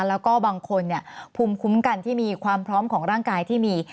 แล้วก็บางคนภูมิคุ้มกันที่มีความพร้อมของร่างกายที่มี